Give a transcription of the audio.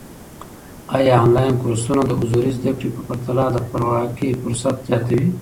ايا انلاين کورسونه د حضوري زده کړې په پرتله د خپلواکي فرصت زیاتوي؟